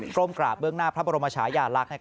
ก้มกราบเบื้องหน้าพระบรมชายาลักษณ์